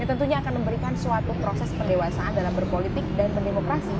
tentunya akan memberikan suatu proses pendewasaan dalam berpolitik dan berdemokrasi